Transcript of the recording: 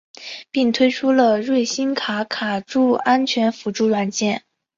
并推出了瑞星卡卡助手安全辅助软件。